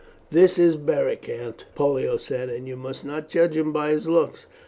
"This is Beric, aunt," Pollio said, "and you must not judge him by his looks.